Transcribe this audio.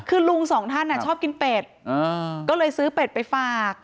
คือลุงสองท่านชอบกินเป็ดก็เลยซื้อเป็ดไปฝาก